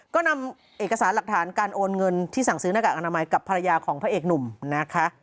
ก็นำเอกสารหลักฐานการโอนเงินที่สั่งซื้อหน้ากากอนามัยกับภรรยาของพระเอกหนุ่มนะคะ